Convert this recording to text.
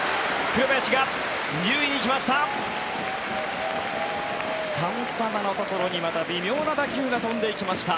紅林が２塁に行きました。